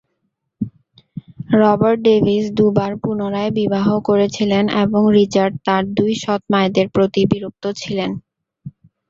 Robert Davis দু'বার পুনরায় বিবাহ করেছিলেন এবং রিচার্ড তার দুই সৎ মায়েদের প্রতি বিরক্ত ছিলেন।